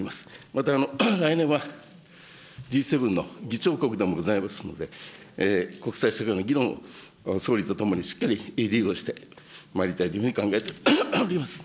また来年はＧ７の議長国でもございますので、国際社会の議論を、総理と共にしっかりリードしてまいりたいというふうに考えております。